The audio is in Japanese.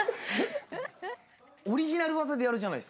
オリジナル技でやるじゃないですか。